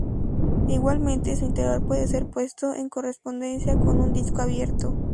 Igualmente, su interior puede ser puesto en correspondencia con un disco abierto.